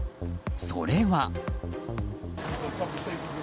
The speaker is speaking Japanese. それは。